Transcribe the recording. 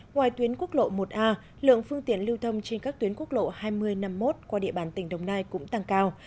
ngoài tuyến quốc lộ một a lượng phương tiện lưu thông trên các tuyến quốc lộ hai mươi năm mươi một qua địa bàn tỉnh đồng nai cũng tăng cao